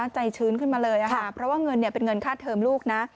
ชื้นขึ้นมาเลยค่ะเพราะว่าเงินเป็นเงินค่าเทิมลูกนะ